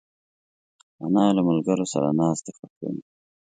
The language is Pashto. انا له ملګرو سره ناستې خوښوي